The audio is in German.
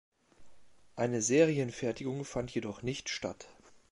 Eine Serienfertigung fand jedoch nicht statt.